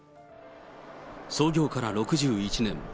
創業から６１年。